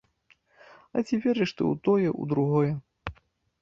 А ці верыш ты ў тое, у другое?